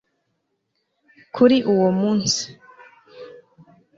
kuri uwo munsi